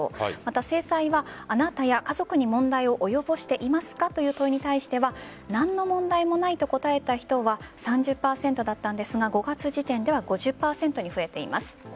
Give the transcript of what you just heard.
また、制裁はあなたや家族に問題を及ぼしていますかという問いに対しては何の問題もないと答えた人は３０％だったんですが５月時点では５０％に増えています。